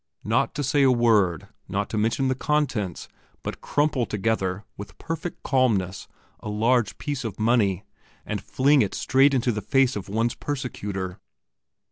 Not to say a word, not to mention the contents, but crumple together, with perfect calmness, a large piece of money, and fling it straight in the face of one's persecutor!